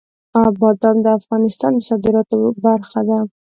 بادام د افغانستان د صادراتو برخه ده.